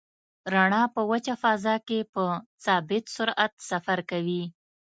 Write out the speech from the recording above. رڼا په وچه فضا کې په ثابت سرعت سفر کوي.